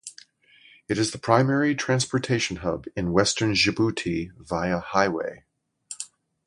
It is the primary transportation hub in western Djibouti via highway.